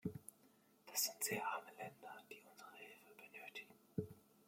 Das sind sehr arme Länder, die unsere Hilfe benötigen.